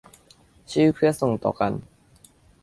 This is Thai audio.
ชื่อเพื่อส่งต่อกัน